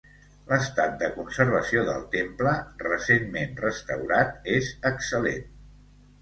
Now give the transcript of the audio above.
L'estat de conservació del temple, recentment restaurat, és excel·lent.